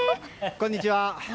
こんにちは。